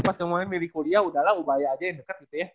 pas ngomongin milih kuliah udahlah upaya aja yang deket gitu ya